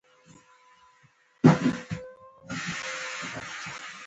افغانستان تر هغو نه ابادیږي، ترڅو ترافیکي اصول مات نشي.